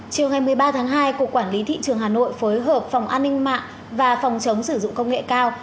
chiều ngày một mươi ba tháng hai cục quản lý thị trường hà nội phối hợp phòng an ninh mạng và phòng chống sử dụng công nghệ cao